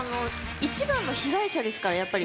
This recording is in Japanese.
一番の被害者ですからやっぱり。